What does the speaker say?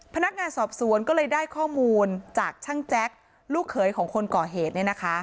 พนักงานสอบสวนก็เลยได้ข้อมูลจากช่างแจ๊คลูกเขยของคนก่อเหตุ